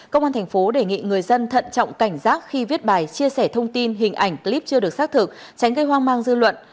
công an thành phố đề nghị người dân thận trọng cảnh giác khi viết bài chia sẻ thông tin hình ảnh clip chưa được xác thực tránh gây hoang mang dư luận